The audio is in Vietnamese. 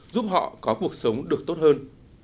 giúp họ có cuộc sống được tốt hơn